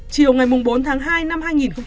chiều ngày bốn tháng hai năm hai nghìn một mươi chín